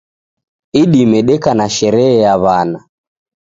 Idime deka na sherehe ya wana